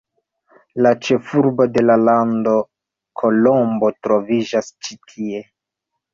La ĉefurbo de la lando, Kolombo, troviĝas ĉi tie.